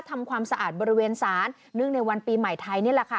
ทำความสะอาดบริเวณศาลเนื่องในวันปีใหม่ไทยนี่แหละค่ะ